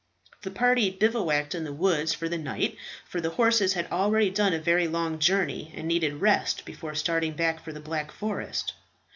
The party bivouacked in the woods for the night, for the horses had already done a very long journey, and needed rest before starting back for the Black Forest.